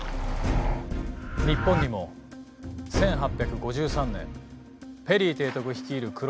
日本にも１８５３年ペリー提督率いる黒船が来航。